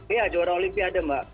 iya juara olimpiade mbak